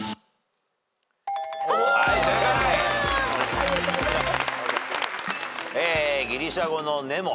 ありがとうございます。